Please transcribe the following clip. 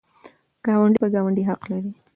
ګاونډی په ګاونډي حق لري.